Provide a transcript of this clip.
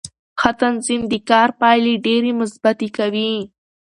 ښه تنظیم د کار پایلې ډېرې مثبتې کوي